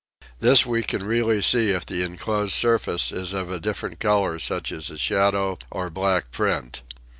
This we can really see if the enclosed surface is of a different color such as a shadow or black print.